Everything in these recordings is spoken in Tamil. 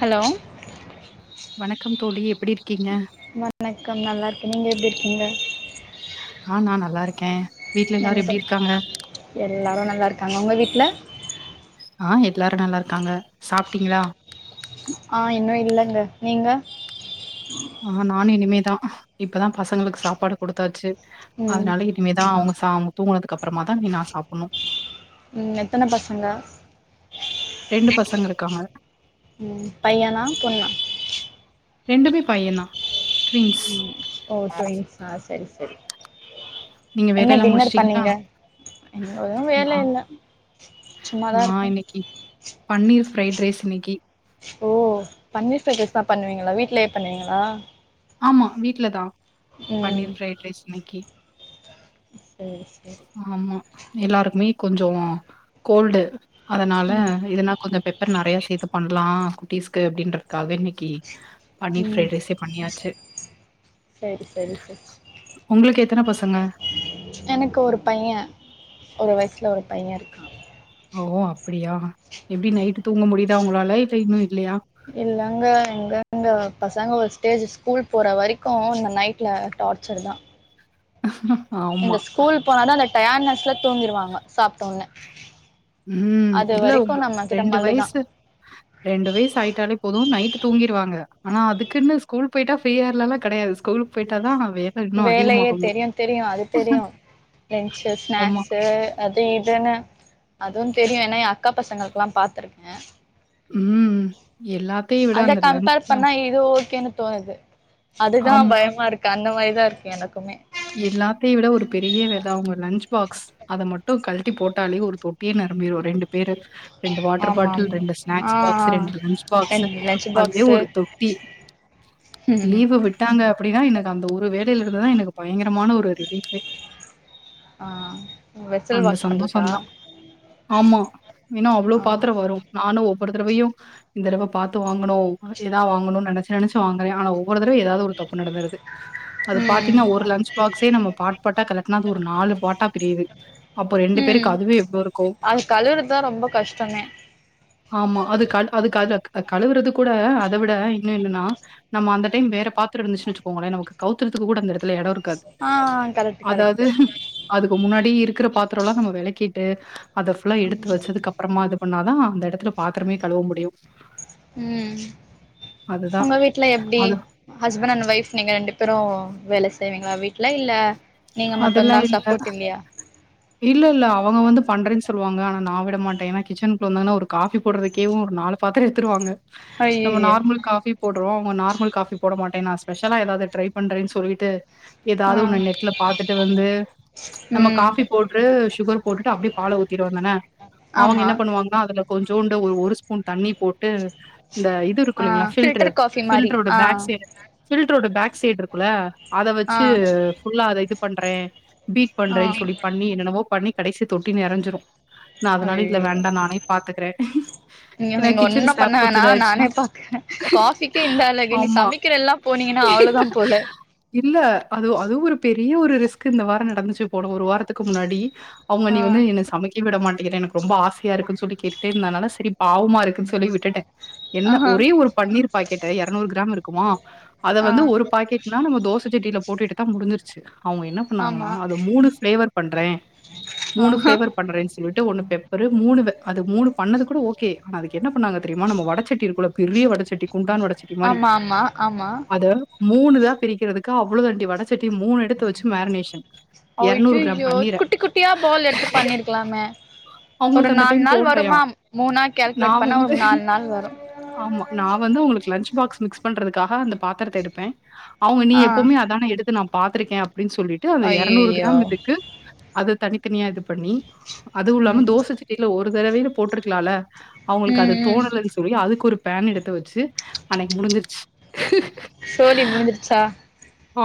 ஹலோ வணக்கம் தோழி எப்டி இருக்கீங்க வணக்கம் நல்லா இருக்க நீங்க எப்டி இருக்கீங்க ஆ நா நல்லா இருக்கே வீட்ல எல்லாரு எப்டி இருக்காங்க எல்லாரு நல்லா இருக்காங்க உங்க வீட்ல ஆ எல்லாரு நல்லா இருக்காங்க சாப்ட்டீங்களா ஆ இன்னு இல்லங்க நீங்க ஆ நானு இனிமேதா இப்பதா பசங்களுக்கு சாப்பாடு குடுத்தாச்சு ம் அதுனால இனிமேதா அவுங்க சா அவுங்க தூங்குனதுக்கப்றமாதா இனி நா சாப்புட்ணு ம் எத்தன பசங்க ரெண்டு பசங்க இருக்காங்க ம் பையனா பொண்ணா ரெண்டுமே பையந்தா ட்வின்ஸ் ம் ஓ ட்வின்ஸா செரி செரி நீங்க என்ன வேலையெல்லா டின்னர் முடிச்சுட்டீங்களா பண்ணீங்க இன்னோது நா வேல இல்ல சும்மாதா நா இருக்க இன்னைக்கு பன்னீர் ஃப்ரைட் ரைஸ் இன்னைக்கி ஓ பன்னீர் ஃபிரைட் ரைஸ் தா பண்ணுவீங்களா வீட்லே பண்ணுவீங்களா ஆமா வீட்ல தா ம் பன்னீர் ஃபிரைட் ரைஸ் இன்னைக்கி சரி சரி ஆமா எல்லாருக்குமே கொஞ்சோ கோல்டு அதனால ம் இதுன்னா கொஞ்சம் பெப்பர் நறையா சேத்து பண்லா குட்டிஸ்க்கு அப்புடின்றதுக்காக இன்னிக்கி பன்னீர் ம் ஃப்ரைட் ரைஸே பண்ணியாச்சு சரி சரி சச் உங்களுக்கு எத்தன பசங்க? எனக்கு ஒரு பையன் ஒரு வயிசுல ஒரு பையன் இருக்கான் ஆ ஓ அப்புடியா எப்டி நைட்டு தூங்க முடியுதா உங்களால இல்ல இன்னும் இல்லையா இல்லங்க, எங்கங்க பசங்க ஒரு ஸ்டேஜ் ஸ்கூல் போற வரைக்கும் இந்த நைட்ல டார்ச்சர் தா ஆமா. இந்த ஸ்கூல் போனாதா அந்த டயாட்னஸ்ல தூங்கிடுவாங்க சாப்பிட்டொன்னே ம் இல்ல உங்க ரெண்டு மல்லு தான். வயசு ரெண்டு வயசு ஆயிட்டாலே போதும் நைட்டு தூங்கிடுவாங்க ஆனா அதுக்குன்னு ஸ்கூல் போய்டா ஃப்ரீ ஆயிர்லா லா கடையாது ஸ்கூல்க்கு போயிட்டா தா அ வேலையே தெரியும் தெரியும் அது தெரியும் லன்ச்சு ஆமா. ஸ்நாக்ஸு அத் து இதுன்னு அதுவும் தெரியும் ஏன்னா என் அக்கா பசங்களுக்குல்லா பாத்துருக்கே ம். எல்லாத்தையும் விட அத அந்த லஞ்ச் கம்பேர் பேக் பண்ணா இது ஓகேன்னு தோணுது அதுதா ஆமா. பயமா இருக்கு அந்த மாரிதா இருக்கு எனக்குமே எல்லாத்தயும் விட ஒரு பெரிய வேல அவங்க லன்ச் பாக்ஸ் அத மட்டும் கழட்டி போட்டாலே ஒரு தொட்டிய ந நரபிரு ரெண்டு பேரு ரெண்டு வாட்ரு ஆமா பாட்டில் ஆமா. ரெண்டு ஆ ஸ்நாக்ஸ் பாக்ஸ் ரெண்டு லன்ச் ஆ பாக்ஸு லன்ச் அதுவே பாக்ஸு ஒரு தொட்டி ம் ம் லீவு விட்டாங்க அப்புடின்னா இனக்கு அந்த ஒரு வே தில் இருந்துதா எனக்கு பயங்கரமான ஒரு ரிலீஃபே ஆ வெஷல் அந்த வாஷ் பண்றதா சந்தோஷம் தான். ஆமா ஏனா அவ்ளோ ஆ பாத்ரொ வரு நானு வொரு தடவையு இந்த தடவ பாத்து வாங்கணு ஏதா வாங்கணு நெனைச்ச நெனைச்சு வாங்குறே ஆனா ஒவ்வொரு தடவயு ஏதாவது ஒரு ப்பு நடந்தறது ம் லன்ச் பாக்ஸே நம்ம பார்ட்பாட்டா கலெட்னா அது ஒரு நாலு பாட்டா பிரியுது அப்போ ம் பேருக்கு அதுவே எவ்ளோ இருக்கும்? அது கழுவுறதுதா ரொம்ப கஷ்டமே ஆமா அது க அதுக்கு அது க கழுவுறது கூட அத விட இன்னு என்னன்னா நம்ம அந்த டைம் வே ற பாத்திர இருந்துச்சுனு வச்சுக்சுக்கோங்கள நமக்கு கவுத்துறதுக்கு கூட அந்த எடத்துல எட இரு ஆ கரெக்ட் கரெக்ட் அதாவது அதுக்கு முன்னாடி இருக் க்கிற பாத்திரம்லா நம்ம வ வெளக்கிட்டு அத ஃபுல்லா எடுத்து ம் வச்சதுக்கு அப்பறமா இது பண்ணாதா அந்த எட த்தல பாத்திரமே கழுவ முடியு ம் அதுதான். ஒங்க வீட்டல எப்டி அது ஹஸ்பண்ட் அண்ட் ஒய்ஃப் நீங்க ரெண்டு பேரு வேல செய் செய்விங்ளா வீட்ல இல்ல நீங்க அதெல்லா மட்டுந்தா இல்ல சப்போர்ட் இல்லையா இல்லல்ல அவங்க வந்து பண்ற சொ சொல்லுவாங்க ஆனா நா விட மாட்டே ஏன்னா கிச்சனுக்குள்ள வந்தங்கன்னா ஒரு காபி போடுறதுக்கேயு ஒரு நாலு பாத்திர எடுத்துடுவாங்க நம்ம ஐய்யய்யோ நார்மல் காபி போட் ங்க நார்மல் காபி போட மாட்டே நா ஸ்பெஷலா ஏதாவது ட்ரை பண்றேன்னு சொல்லிட்டு ஆ ஏதாவது ஒன்னு நெட்ல பாத்துட்டு வந்து ப நம்ம ம் காபி போட்டு சுகர் போட்டுட்டு அப்டியே பால ஊத்திடுவோ தான அவங்க ஆமா என்ன பண்ணுவாங்கன்னா அதுல கொஞ்சோண்டுஒ ஒரு ஸ்பூன் தண்ணி போட்டு இந்த இதுருக்கு ஆ இல்லீங்களா ஃப்ல்ட்ர ஃபில்டர் காஃபி மாரி பில்ட்டரோட ஆ பேக்ஸைட் ஃப்ல்ட்ரோட பேக் சைட் இருக்குல அத ஆ வச்சு புல்லா அத இது பண்றே பீட் ஆ பண்றே சொல்லி பண்ணி என்னெனவோ பண்ணி கடைசி தொட்டி நெறஞ்சிரு நா அதனால இல்ல ஐய்யய்யோ வேண்டா நானே பாத்துக்கிறே நீங்க இங்க ஒன்னு பண்ண வேணா நானே இதாயிடுச்சுன்னா பாக்கே காபிக்கே இந்த அழகு நீ ஆமா. சமைக்கிறல்லா போட் ன்னீங்கன்னா அவ்வளோதா போல இல்ல அது அததூ ஒரு பெரிய ஒரு ரிஸ்க் இந்த வார நடந்துச்சு போன ஒரு வாரத்துக்கு முன்னாடி அவங்க ஆ நீ வந்து என்ன சமைக்க விட மாட்டேங்கிற எனக்கு ரொம்ப ஆசையா இருக்குன்னு சொல்லி கேட்டுடே இருந்தனால சரி பாவமா இருக்கு சொல்லி விட்டுட்டே என்ன ஆஹா ஒரே ஒரு பன்னீர் பாக்கெட்ட எரநூறு கிராம் இருக்குமா அத ஆ வந்து ஒரு பா பாக்கெட்னா நம்ம தோச ஜட்டில போட்டு எடுதா முடிசிருச்சு அவுங்க என்ன பண்ணாங்ன்னா ஆமா அத மூணு ஃபிளேவர் பண்றே மூணு ஆஹா ஃபிளேவர் பண்றேன்னு சொல்லிட் ஒண்ணு பெப்பர் மூணு அது மூணு பண்ணது கூட ஓகே அதுக்கு என்ன பண்ணாங்க தெரியுமா நம்ம வடச்சட்டி இருக்குல பெரிய வடச்சட்டி குண்டான் வடச்சட்டி மாரி ஆமா ஆமா ஆமா அத மூணு தா பிரிக்றதுக்கு அவ்வளோ தண்டி வடச்சட்டி மூணு எடுத்து வச்சு மேரினேஷன் எர்நூறு கிராம் அய்யய்யோ பன்னீர குட்டி குட்டியா பால் எடுத்து பண்ணிருக்கலாமே ஒரு அவுங்ளுக்கு அந்த நாலு டைம் நாள் தோண்லையா வருமா மூணா நா கால்குலேட் பண்ணா ஒரு வந்து நாலு நாள் வரு ஆமா நா வந்து அவுங்ளுக்கு லன்ச் பாக்ஸ் மிக்ஸ் பண்றதுக்காக அந்த பாத்ரத்த எடுப்பே அவுங்க நீ ஆ எப்போவுமே அதான எடுத்து நா பாத்தருக்கே அப் அப்டின்னு சொல்லிட்டு அந்த எரநூறு அய்யய்யோ கிராம் இதுக்கு அத தனித்தனியா இது பண்ணி அதுவும் இல்லாம ம் தோசை ஒரு தடவயில போட்ருக்லால்ல அவுங்ளுக்கு ம் அத ம் தோணலன்னு சொல்லி அதுக்கொரு பேன் எடுத்து வச்சு அன்னைக்கு முடிஞ்சிருச்சு சோலி முடிஞ்சிருச்சா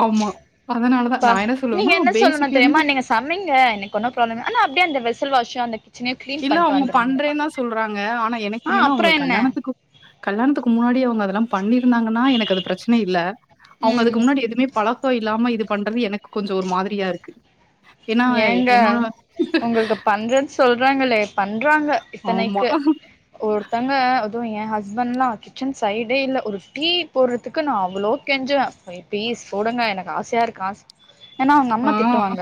ஆமா. அதனால தான் ப்பா நான் என்ன நீங்க சொல்லுவேன்னா, என்ன சொல்லணு பேசிக்ல இருந்து தெரியுமா நீங்க சமைங்க இன்னைக்கு ஒன்னு ப்ராப்ள அ அப்டிய அந்த வெஷல் வாஷ் அந்த கிச்சனையு கிளீன் இல்ல பண்ட்டு அவுங்க வந்துருங்க பண்றே தா சொல்றாங்க ஆனா எனக்கு ஆ என்னன்னா அப்றோ அவுங்க என்ன கல்யாணத்துக்கு கல்யாணத்துக்கு முன்னாடி அவுங்க அதெல்லா பண்ணிருந்தாங்கன்னா எனக்கு அது பிரச்ன இல்ல அவுங்க ம் அதுக்கு முன்னாடி எதுவுமே பழ கோ இல்லாம இது பண்றது எனக்கு கொஞ்சோ ஒரு மாதிரியா இருக்கு ஏன்னா ஏங்க என்னோட உங்களுக்கு பண்றன்னு சொல் றாங்களே பண்றாங்க ஆமா. இத்தனைக்கு ஒருத்தங்க ஏ ஹஸ்பண்ட்லா கிச்சன் சைடே இல்ல ஒரு டீ போட்றதுக்கு நா அவளோ கெஞ்சுவ [unintelligible] போடுங்க எனக்கு ஆசையா இருக்க ஆச ஏன்னா அவுங்க அம்மா ஆ, திட்டுவாங்க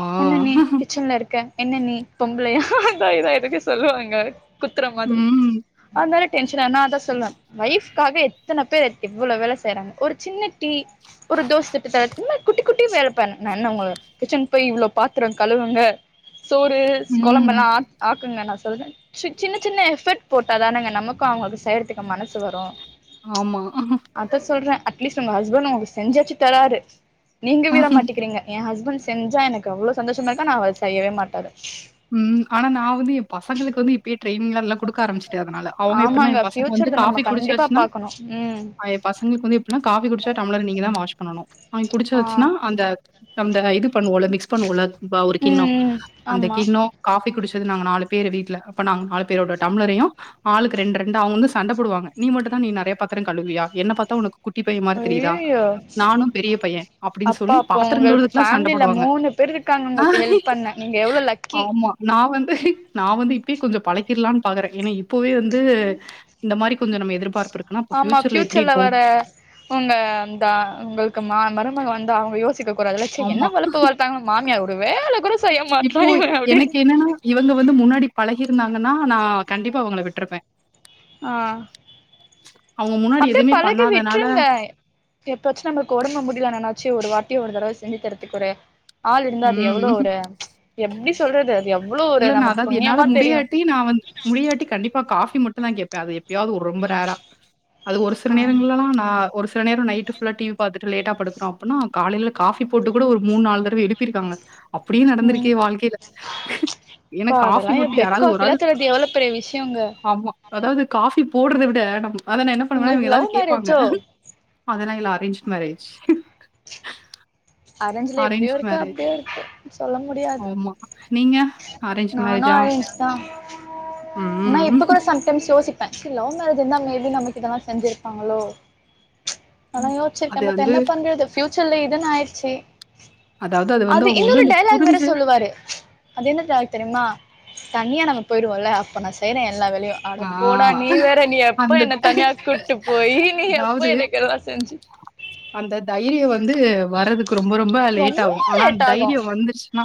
ஆ. என்ன நீ கிச்சன்ல இருக் க என்ன நீ பொம்பளையா அதா இதா எதுக்கு சொல்லுவாங்க குத்ர மாதிரி ம், அதுனால டென்ஷன் ஆனா அதா சொல்வே வொஃப்க்காக எத்தன பேர் எவ்ளோ வேல செய்றாங்க ஒரு சின்ன டீ ஒரு தோஸ் சுட்டு தரது இந்த மாதிரி குட்டி குட்டி வேலபண்ணு நா என்ன ஒங்கள கிச்சன்க்கு போய் இவ்ளோ பாத்ரோ கழுவுங்க சோறு ம். கொழம்பலா ஆக் ஆக்குங்க நா சொல்றே சின்ன சின்ன எஃபர்ட் போட்டாதானங்க நமக்கு அவுங்களுக்கு செய்றதுக்கு மனசு வரு ஆமா அட்லீ்ஸ்ட் ஒங்க ஹஸ்பண்ட் ஒங்ளுக்கு செஞ்சாச்சு தராரு நீங்க விடமாட்டிக்கிறீங்க எ ஹஸ்பண்ட் செஞ்சா எனக்கு அவ்ளோ சந்தோஷமா இருக்கு ஆனா அவரு செய்யவே மாட்டாரு ம் ஆனா நா வந்து எ பசங்களுக்கு வந்து இப்பயே ட்ரைனிங்லா எல்லா குடுக்க ஆரம்பிச் டே அதுனால அவுங்க எப்டின்னா ஆமாங்க எ பசங்க வந்து ஃபியூச்சர்த நம்ம காஃபி கண்டிப்பா குடுச்சாச்ன்னா பாக்கணு ம் அ ஏ பசங்களுக்கு வந்து எப்டினா காஃபி குடிச்சா டம்ளர நீங்கதா வாஷ் பண்ணனு அவுங்க ஆ குடிச்சாச்சுனா அந்த அந்த இது பண்ணுவோல மிக்ஸ் பண்ணுவோல ப ஒரு ம் கின்னோ ம் அந்த ஆமா கின்னோ காபி குடுச் [unintelligible] நாங்க நாலு பேரு வீட்ல அப்ப நாங்க நாலு பேரோட டம்லரயு ஆளுக்கு ரெண்டு ரெண்டா அவுங்க வந்து சண்ட போடுவாங்க நீ மட்டு தா நீ நெறைய பாத்ரோ கழுவியா என்ன பாத்தா ஒனக்கு குட்டி பையே மாரி தெரிதா அய்யய்யோ நானு பெரிய பையே அப்புடின்னு அப்பா சொல்லி அப்போ பாத்தரங் உங்களுக்கு கழுவுரதுக்கெல்லா சண்ட ஃபேமிலில போடுவாங்க மூணு இருக்காங்க ஆ ஒங்ளுக்கு ஹெல்ப் பண்ண நீங்க எவ்ளோ லக் ஆமா நா வந்து நா வந்து இப்பயே கொஞ்சோ பழக்கிற்லானு பாக்குறே ஏன்னா இப் இப்போவே வந்து இந்த மாரி கொஞ்சோ நம்ம எதிர்பார்ப்பு இருக்குனா அப்ப பியூட்சர்ல எப்டி இருக்கு இருக்குங்க அந்தா ஒங்களுக்கு மா மருமக வந் தா அவுங்க யோசிக்க கூடாதுல ச ஆமா என்ன வலப்பு வழத்தாங்க மாமியா இப்போ எனக்கு என்னன்னா இவங்க வந்து முன்னாடி பழ கி இருந்தாங்கனா நா கண்டிப்பா அவுங்கள விட்ருப்பே ஆ அவங்க முன்னாடி அப்டியே எதுவுமே பழகி பண்ணாதனால விட்ருங்க எப்பாச்சு நம்மளுக்கு ஒடம்பு முடில நனாச்சு ஒரு வார் தி ஒரு தடவ செஞ்சு தரதுக்கு ஒரு ஆள் இருந்தா அது எவ்ளோ ம் ஒரு எப்டி சொல்றது அது எவ்ளோ ஒரு இல்ல நா நமக்கு அதாவது என்னால புண்ணியமா தெரியு முடியாட்டி நா வந் முடியாட்டி கண்டிப்பா காஃப் பி மட்டுந் தா கேப்பே அது எப்பயாவது ஒரு ரொம்ப ரேரா அது ஒரு சில ஆ நேரங்கள்லெல்லா நா ஒரு சி சில நேரோ நைட்டு ஃபுல்லா டி வி பாத்துட்டு லேட்டா படுக்குறோ அப்புன்னா காலேல காஃபி போட்டு கூட ஒரு மூண் நால் தடவ எழுப்பிருக்காங்க. அப்டியு ம் நடந்திருக்கு எ வாழ்க்கேல. ஏன்னா அப்பா அதெல்லா காஃபி மட்டு பெட் யாராது ஒர் காஃபிலா ஆள் தேடுறது எவ்ளோ பெரிய விஷயங்க ஆமா அதாவது காஃபி போட்ரத விட நம் அத நா என்ன பண்ணுவே உங்களுக்கு இவ்ங்க லவ் ஏதாவ்து கேப்பாங்க. மேரேஜோ அதல்லா இல்ல அரேஞ்ச் மேரேஜ். அரேஞ்ல இப்டியு அரேஞ்ச்டு இருக்கு மேரேஜ். அப்டியு இருக்கு சொல்ல முடியாது ஆமா. நீங்க? அரேஞ்ச் நானு மேரேஜா? அரேஞ்சித்தா என்ன ம். இப்ப கூட சம்டைம்ஸ் யோசிப் பே பஸ்ட்டு லவ் மேரேஜ் இந்தா மேபி நமக்கு இதெலா செஞ்சிருப்பாங்களோ அலா அது யோஸ்ச்சிருக்கே பட் வந்து என்னப் பண்றது ஃபியூச்சர்ல இதுன்னு ஆயிர்ச்சி அதாவது வந்து அது அவங்க வந்து இன்னொரு அந்த டையலாக் வேற புரிஞ்சு சொல்லுவாரு அது என்னத் டேக் தெரியுமா தனியா நம்ம போயிடுவோல்ல அப்ப நா செய்றே எல்லா வேலையு அட ஆ போடா நீ வேற நீ எப்ப அந்த என்ன தனியா கூட்டு போயி நீ எப்ப அதாவது எனக்கு எல்லா செய் டஞ்சி அந்த தைரிய வந்து வறதுக்கு ரொம்ப ரொம்ப லேட்டாவு ரொம்ப ஆனா லேட் ஆகு தைரிய வந்துருச்சுனா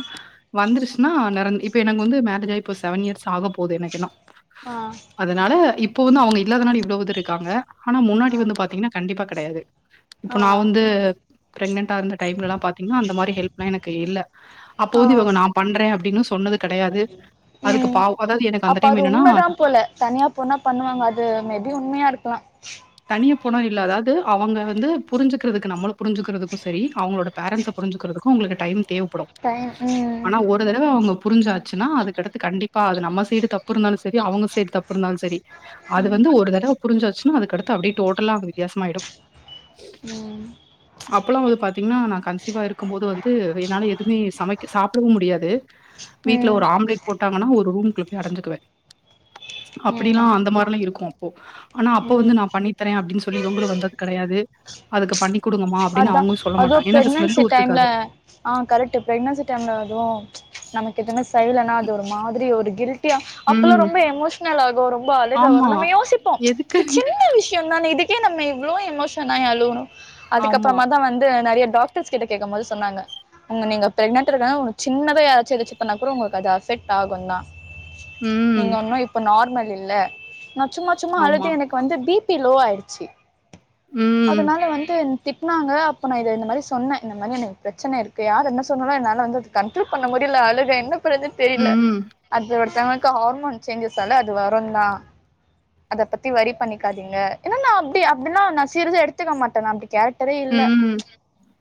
வந்துருஸ்னா நெரன் இப்ப எனக்கு வந்து மேரேஜ் ஆயி இப்ப செவன் இயர்ஸ் ஆகப் போது எனக்கு இன்னு ஆ அதனால இப்ப வந்து அவுங்க இல்லாதனால இவ்வளவு இது இருக்காங்க ஆனா முன்னாடி வந்து ஆ பாத்தீங்கனா கண்டிப்பா கெடையாது இப்ப ஆ நா வந்து பிரெக்னன்டா இருந்த டைம்லல்லா பாத்தீங்கன்னா அந்த மாதிரி ஹெல்ப் எனக்கு இல்ல அப்போ ஆ வந்து இவங்க நான் பண்ற அப்டின்னு ம் அதாவது எனக்கு அந்த அப்ப டைம் அது என்னன்னா உண்மைதா போல தனியா போனா பண்ணுவாங்க அது மேபி உண்மையாருக்கலா நீ போன இல்ல அதாது அவங்க வந்து புரிஞ்சுக்கிறதுக்கு நம்மல புரிஞ்சுகிறதுக்கு சரி அவங்களோட பேரன்ட்ஸ் புரிஞ்சுக்கு கு ஒங்களுக்கு டைம் தேவப்படும் டைம் ம் ஆனா ஒரு தடவ அவுங்க புரிஞ்சாச்சுனா அதுக்கடுத்து கண்டிப்பா அது நம்ம சைட் தப்பு இருந்தாலு சரி அவ்ங்க சைட் தப்பு இருந்தாலு சரி. அது வந்து ஒரு தடவ புரிஞ்சாச்சுன்னா அதுக்கடுத்து அப்டியே டோட்டல்லா வித்யாசமாய்டு ம் அப்பல்லா வந்து பாத்தீங்ன்னா நா கன்சீவா இருக்கும் போது வந்து என்னால எதுமே சமைக் சாப்டவு முடியாது. வீட்ல ஒரு ம் ஆம்லெட் போட்டாங்கன்னா ஒரு ரூம் குள்ள போய் அடஞ்சுக்குவே அப்டில்லா ம் அந்த மாரிலா இருக்கு அப்போ ஆனா அப்ப வந்து ம் நா ஏ அப்டின் சொல்லி இவங்களு வந்தத் கெடையாது அதுக்கு பண்ணி குடுங்கம்மா அப்டின்னு அத்தா அவங்களும் சொல்ல அதுவு மாட்டாங்க ஏன்னா அது பிரெக்னென்சி ஸ்மெல்லு டைம்ல ஒத்துக்காது ஆ கரெக்ட்டு பிரெக்னென்சி டைம்ல அதுவு நமக்கு எதுமே செய்லனா அது ஒரு மாதிரி ஒரு கில்ட் அப்பெல்லா ம் ரொம்ப எமோஷனல் ஆகு ரொம்ப அழுக ஆமா வரு நம்ம யோசிப்போ எதுக்கு சின்ன விஷய தான இதுக் ஏ நம்ம இவ்ளோ எமோஷனாயி அழுவுணு ஆமா அதுக்கப்றமாதா வந்து நெறைய டாக் ஃப்ரெண்ஸ் கிட்ட கேக்கம் போது சொன்னாங்க உங்க நீங்க பிரெக்னெட் இருக்கன உங்க சின்னத யாராச்சு எதாச்சு பண்ணா கூட உங்களுக்கு அது அஃபெக்ட் ஆகுந்தா ம் நீங்க ஒன்னு இப்ப நார்மல் இல்ல சும்மா சும்மா அழுது ஆமா எனக்கு வந்து பி பிபி லோ ஆயிடுச்சு ம் அதனால வந்து திட்னாங்க அப்போ நா இத இந்த மாரி சொன்ன இந்த மாரி எனக்கு பிரச்சனை இருக்கு யாரு என்ன சொன்னாலோ என்னால வந்து கண்ட்ரோல் பண்ண முடி இல்ல அழுக என்ன பறதுன்னு தெரியல ம் அந்த தவகக்க ஹார்மோன் சேஞ்சஸ்ல்ல அது வருந்தா அத பத்தி வரி பண்ணிக்காதீங்க ஏன்ன நா அப்டி அப்டின்னா நா சீரியஸா எடுத்துக்க மாட்டே நா அப்டி கேரக் இல்ல ம்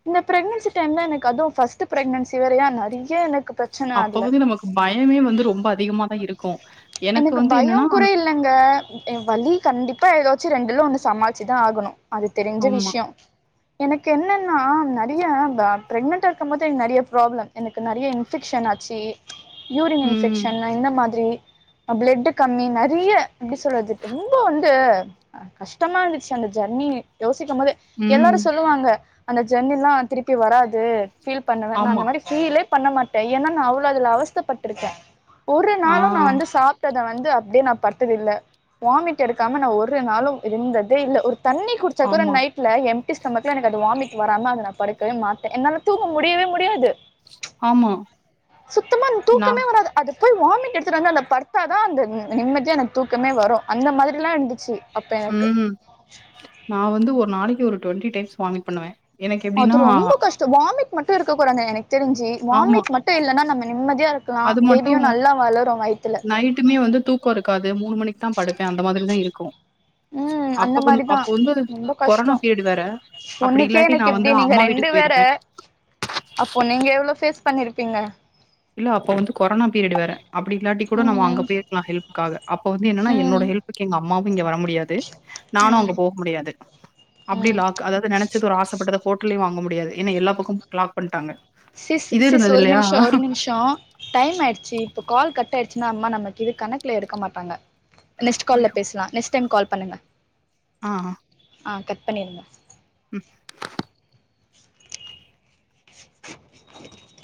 இந்த பிரெக்னன்சி டைம்ல எனக்கு அதுவும் ஃபர்ஸ்ட் பிரெக்னன்சி வேறை யா நெறைய எனக்கு பிரச்சன அப்ப அதுல வந்து நமக்கு பயமே வந்து ரொம்ப அதிகமா தான் இருக்கும். எனக்கு வந்து என்னன்னா பயம் குற இல்லங்க வலி கண்டிப்பா ஏதாச்சு ரெண்டுலும் ஒண்ணு சமாளிச்சுதான் ஆகணும் அது தெரிஞ்ச ஆமா. விஷயம் எனக்கு என்னன்னா நெறைய பிரெக்னன்டா இருக்கு போது நறைய ப்ராப்ளம் எனக்கு நறைய இன்பெக்க்ஷன் என்னாச்சு யூரின் ம், இன்ஃபெக்ஷன் இந்த மாரி அ பிளட்டு கம்மி நெறிய எப்டி சொல்றது ரெம்போ வந்து கஷ்டமா இருந்துச்சு அந் த ஜன்னீ யோசிக்கபோதே ம். எல்லாரு க அந்த ஜன்னிலா திருப்பி வராது ஃபீல் பண்ண வேனா அந்த ஆமா. மாரி ஃபீலே பண்ண மாட்டே ஏன்னா நா அவ்ளோ அதுல அவஸ்தபட்ருக்கே ஒரு ஆ நாளு நா வந்து சாப்ட்டத வந் து அப்டியே நா பட்த்ததில்ல வாமிட் எடுக்காம நா ஒரு நாளு இருந்ததே இல்ல ஒரு தண்ணி குடிச்சா கூட ஆமா, நைட்ல எம் டி ஸ்டொமக்ல எனக்கு அது வாமிட் வராம அத நா படுக்கவே மாட்டே என்னால தூங்க முடியவே முடியாது ஆமா. சுத்தமான் நான் தூக்கமே வராது அது போய் வாமிட் எடுத்துட்டு வந்து அந்த படுத்தா தா அந்த நிம்மதியா எனக்கு தூக்கமே வரு அந்த மாதிரிலா இருந்துச்சு அப்ப எனக்கு ம் நா வந்து ஒரு நாளைக்கு ஒரு டொண்டி டைம்ஸ் வாமிட் பண்ணுவே அது ரொம்பொ கஷ்டோ வாமிட் மட்டு இருக்க கூடாங்க எனக் தெரிஞ்சு ஆமா. வாமிட் மட்டு இல்லனா நம்ம நிம்மதியா இருக்குலா அது பேபியு மட்டும் நல்லா வளரும் வயித்துல பே மூண் மணிக்கு தா படுப்பே அந்த மாதிரிதா இருக்கு ம் அந்த அப்ப கொ மாரிதா அப்போ வந்து ரொம்ப கொரனா கஷ்டோ பீரியடு வேற அப்டி ஒன்னுக்கே இல்லாட்டி நா எனக்கு வந்து இப்டி நீங்க அம்மா ரெண்டு வீட்டுக்கு வேற பேய்ருப்பே அப்போ நீங்க எவுளோ ஃபேஸ் பண்ணிருப்பீங்க இல்ல அப்ப வந்து கொரானா பீரியடு வேற அப்டி இல்லாட்டி கூட நம்மோ அங்க ம் பேர்க்லா ஹெல்ப்க்காக அப்போ வந்து என்னனா என்னோட ம் ஹெல்புக்கு எங்க அம்மாவு இங்க வர முடியாது நானு ம் அங்க போகு முடியாது அப்டி ம் லாக் அதாது நெனச்சது ஒரு ஆசப்பட்டது ஹோட்ல்லயு வாங்க முடியாது எனா எல்லா பக்கமு லாக் பண்ட்டாங்க சிஸ் இது சிஸ் இருந்தது ஒரு இல்லையா நிம்ஷொ ஒரு நிம்ஷோ டைம் ஆய்ட்ச்சு இப்ப கால் கட் ஆய்டுச்சுனா அம்மா நமக்கிது கணக்ல எடுக்க மாட்டாங்க நெக்ஸ்ட்டு கால்ல பேஸ்லா நெக்ஸ்ட் டைம் கால் பண்ணுங்க ஆஹ் ஆ கட் பண்ணிருங்க ம்